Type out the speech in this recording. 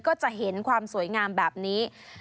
ก็จะเห็นความสวยงามแบบนี้